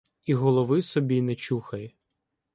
І голови собі не чухай...